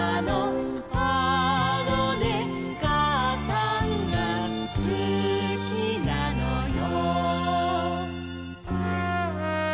「あのねかあさんがすきなのよ」